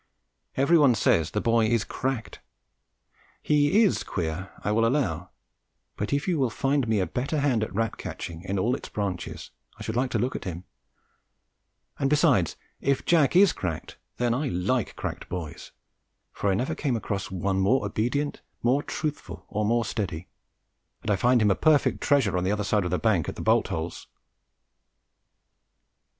Everyone says the boy is "cracked." He is queer, I will allow, but if you will find me a better hand at rat catching in all its branches, I should like to look at him; and besides, if Jack is cracked, then I like cracked boys, for I never came across one more obedient, more truthful, or more steady, and I find him a perfect treasure on the other side of the bank at the bolt holes.